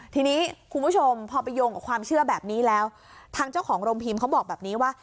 ทีนี้คุณผู้ชมพอไปโยงกับความเชื่อแบบนี้แล้วทางเจ้าของโรงพิมพ์เขาบอกแบบนี้ว่า